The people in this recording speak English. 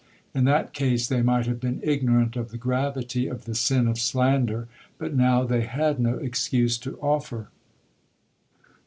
In that case they might have been ignorant of the gravity of the sin of slander, but now they had no excuse to offer.